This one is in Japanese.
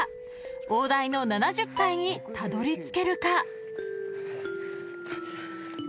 ［大台の７０回にたどりつけるか］